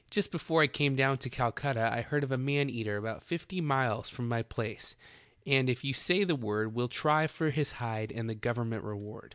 Just before I eame down to Caleutta I heard of a man eater about fifty miles from my plaee, and if you say the word we'll try for his hide and the government reward.